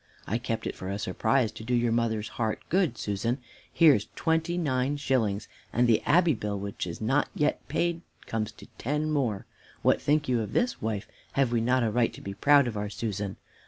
I kept it for a surprise, to do your mother's heart good, Susan. Here's twenty nine shillings, and the Abbey bill, which is not paid yet, comes to ten more. What think you of this, wife? Have we not a right to be proud of our Susan?